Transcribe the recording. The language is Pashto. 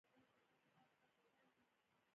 د هندواڼې پوستکی د پښتورګو لپاره وکاروئ